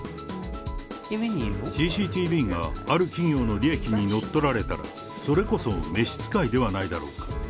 ＣＣＴＶがある企業の利益に乗っ取られたら、それこそ召し使いではないだろうか。